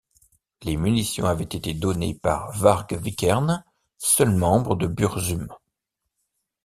Les munitions avaient été données par Varg Vikernes, seul membre de Burzum.